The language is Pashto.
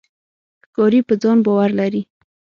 ښکاري په ځان باور لري.